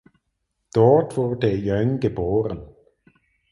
Dort wurde Young geboren.